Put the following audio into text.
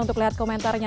untuk lihat komentarnya